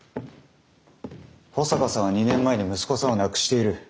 保坂さんは２年前に息子さんを亡くしている。